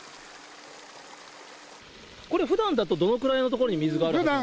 これ、ふだんだとどれくらいの所に水があるんですか？